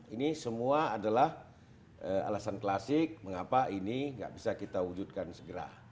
ini semua adalah alasan klasik mengapa ini gak bisa kita wujudkan segera